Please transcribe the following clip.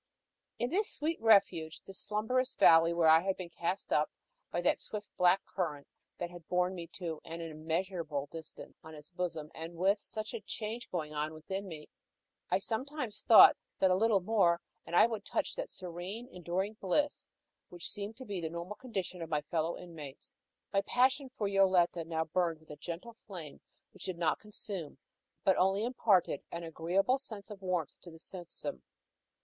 In this sweet refuge this slumberous valley where I had been cast up by that swift black current that had borne me to an immeasurable distance on its bosom, and with such a change going on within me I sometimes thought that a little more and I would touch that serene, enduring bliss which seemed to be the normal condition of my fellow inmates. My passion for Yoletta now burned with a gentle flame, which did not consume, but only imparted an agreeable sense of warmth to the system.